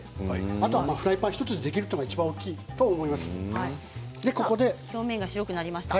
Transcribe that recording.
あとはフライパン１つでできるというのがいちばん表面が白くなりました。